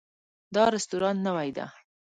دا رستورانت نوی ده